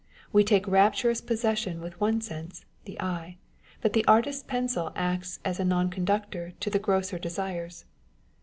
We take rapturous possession with one sense â€" the eye ; but the artist's pencil acts as a non conductor to the grosser desires.